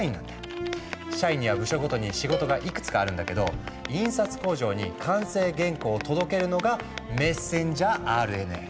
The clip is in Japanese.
社員には部署ごとに仕事がいくつかあるんだけど印刷工場に完成原稿を届けるのがメッセンジャーＲＮＡ。